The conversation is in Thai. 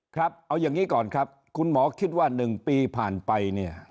ครับเอาอย่างนี้ก่อนครับคุณหมอคิดว่า๑ปีผ่านไปเนี่ย